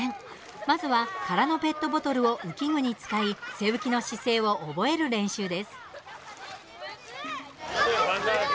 まずは空のペットボトルを浮き具に使い背浮きの姿勢を覚える練習です。